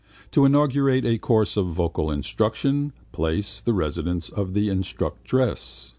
To inaugurate a course of vocal instruction, place the residence of the instructress.